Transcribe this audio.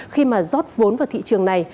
khi mà rót vốn vào thị trường này